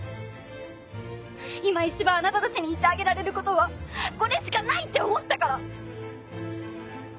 今一番あなたたちに言ってあげられることはこれしかないって思ったから。